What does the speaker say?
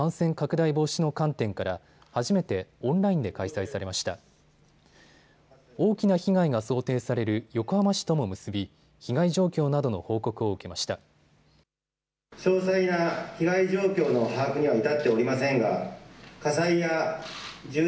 大きな被害が想定される横浜市とも結び被害状況などの報告を受けました。